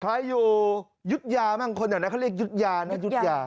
ใครอยู่ยุธยาบ้างคนแถวนั้นเขาเรียกยุธยานะยุธยา